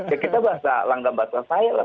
ya kita bahasa langgam bahasa saya lah